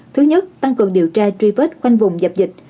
thứ nhất tăng cường điều tra tri vết quanh vùng dập dịch